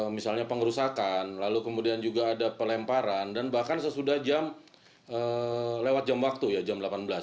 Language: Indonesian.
misalnya pengerusakan lalu kemudian juga ada pelemparan dan bahkan sesudah jam lewat jam waktu ya jam delapan belas